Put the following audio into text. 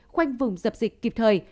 khoanh vùng dập dịch kịp thời